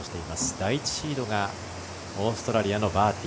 第１シードがオーストラリアのバーティ。